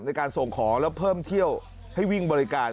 ในการส่งของแล้วเพิ่มเที่ยวให้วิ่งบริการ